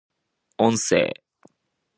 音声